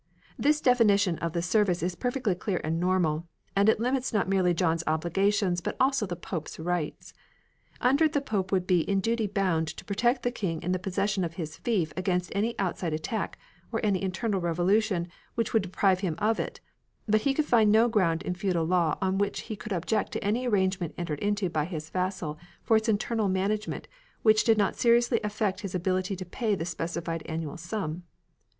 This definition of the service is perfectly clear and normal, and it limits not merely John's obligations but also the Pope's rights. Under it the Pope would be in duty bound to protect the King in the possession of his fief against, any outside attack or any internal revolution which would deprive him of it, but he could find no ground in feudal law on which he could object to any arrange ment entered into by his vassal for its internal management which did not seriously affect his ability to pay the specified annual sum.